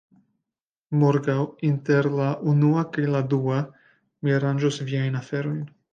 Morgaŭ, inter la unua kaj la dua, mi aranĝos viajn aferojn.